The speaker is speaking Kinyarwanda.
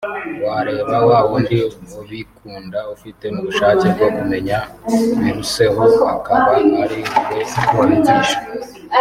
wareba wa wundi ubikunda ufite n’ubushake bwo kumenya biruseho akaba ari we wigisha